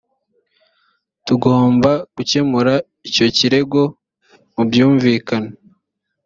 tugomba gukemura icyo kirego mu bwumvikane